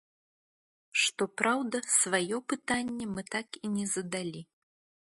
Што праўда, сваё пытанне мы так і не задалі.